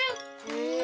へえ。